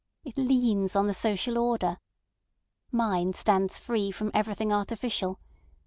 It leans on the social order. Mine stands free from everything artificial.